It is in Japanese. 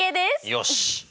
よし。